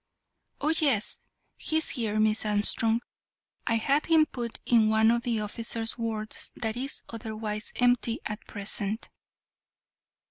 "Oh yes, he is here, Miss Armstrong. I had him put in one of the officers' wards that is otherwise empty at present."